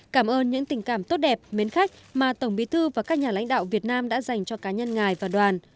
cảm ơn những tình cảm tốt đẹp mến khách mà tổng bí thư và các nhà lãnh đạo việt nam đã dành cho cá nhân ngài và đoàn